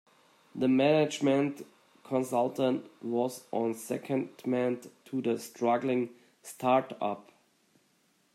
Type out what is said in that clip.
The management consultant was on secondment to the struggling start-up